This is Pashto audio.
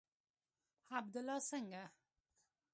عبدالله څنگه.